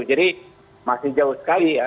jadi masih jauh sekali ya